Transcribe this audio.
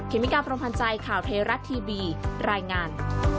เมกาพรมพันธ์ใจข่าวเทราะทีวีรายงาน